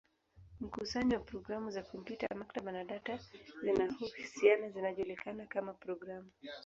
Mkusanyo wa programu za kompyuta, maktaba, na data zinazohusiana zinajulikana kama programu.